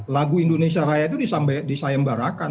lagu indonesia raya itu disaembarakan